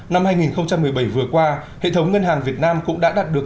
năm hai nghìn một mươi bảy vừa qua hệ thống ngân hàng việt nam cũng đã đạt được